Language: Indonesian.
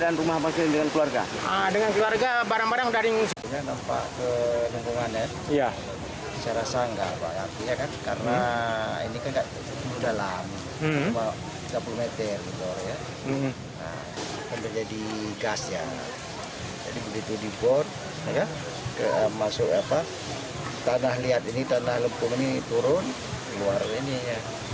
nah ini menjadi gas ya jadi begitu dibor masuk tanah lihat ini tanah lumpur ini turun keluar ini ya